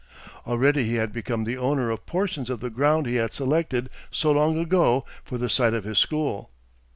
Already he had become the owner of portions of the ground he had selected so long ago for the site of his school.